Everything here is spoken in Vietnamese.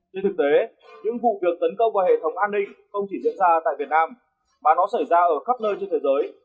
trên thực tế những vụ việc tấn công qua hệ thống an ninh không chỉ diễn ra tại việt nam mà nó xảy ra ở khắp nơi trên thế giới